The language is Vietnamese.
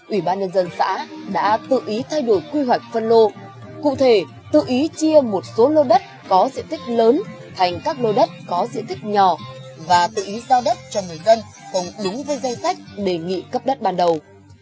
ủy ban nhân dân xã đã tự ý thay đổi quy hoạch phân lô cụ thể tự ý chia một số lô đất có diện tích lớn thành các lô đất có diện tích nhỏ và tự ý giao đất cho người dân không đúng với danh sách đề nghị cấp đất ban đầu